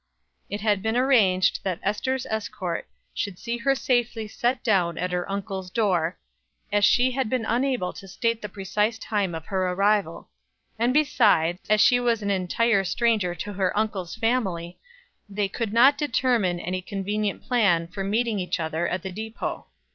It had been arranged that Ester's escort should see her safely set down at her uncle's door, as she had been unable to state the precise time of her arrival; and besides, as she was an entire stranger to her uncle's family, they could not determine any convenient plan for meeting each other at the depot.